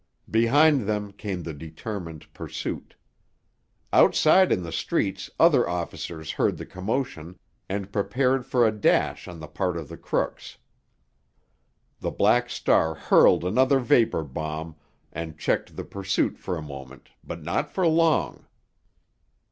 Behind them came the determined pursuit. Outside in the streets other officers heard the commotion, and prepared for a dash on the part of the crooks. The Black Star hurled another vapor bomb, and checked the pursuit for a moment, but not for long.